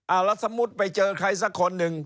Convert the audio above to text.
แล้วสมมุติไปเจอใครสักคนหนึ่ง